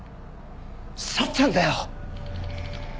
幸ちゃんだよ！